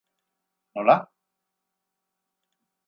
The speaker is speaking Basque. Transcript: Nola?